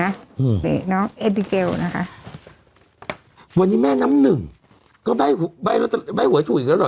น่ะอืมเด็กน้องเอบิเกลนะคะวันนี้แม่น้ำหนึ่งก็ไว้ไว้หัวถูกอีกแล้วหรอ